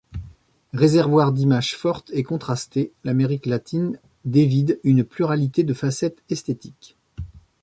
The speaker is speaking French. Réservoir d’images fortes et contrastées, l’Amérique Latine dévide une pluralité de facettes esthétiques.